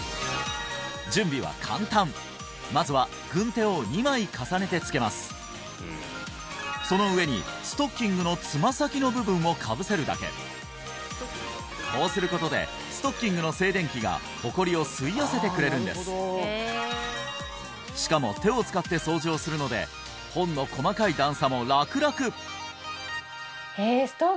準備は簡単まずはその上にストッキングのつま先の部分をかぶせるだけこうすることでストッキングの静電気が埃を吸い寄せてくれるんですしかも手を使って掃除をするので本の細かい段差も楽々！